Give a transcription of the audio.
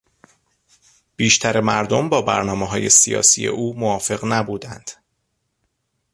بیشتر مردم با برنامههای سیاسی او موافق نبودند.